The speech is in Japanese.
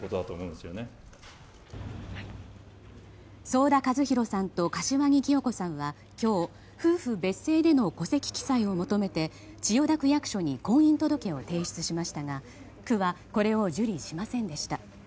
想田和弘さんと柏木規与子さんは今日夫婦別姓での戸籍記載を求めて千代田区役所に婚姻届を提出しましたが区はこれを受理しませんでした。